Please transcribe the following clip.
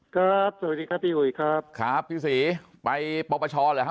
สวัสดีครับพี่อุ๋ยครับครับพี่ศรีไปปปชเหรอฮะ